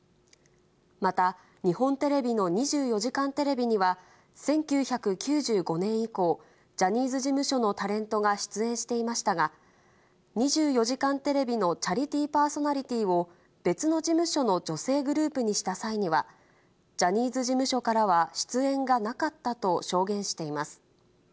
また、日本テレビの２４時間テレビには、１９９５年以降、ジャニーズ事務所のタレントが出演していましたが、２４時間テレビのチャリティーパーソナリティーを別の事務所の女性グループにした際には、ジャニーズ事務所からは、出演がなかったと証言しています。